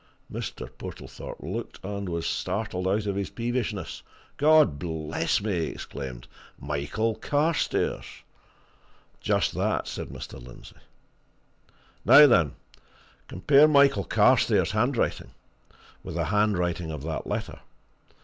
Mr. Portlethorpe looked and was startled out of his peevishness. "God bless me!" he exclaimed. "Michael Carstairs!" "Just that," said Mr. Lindsey. "Now then, compare Michael Carstairs' handwriting with the handwriting of that letter.